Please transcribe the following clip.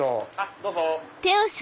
どうぞ。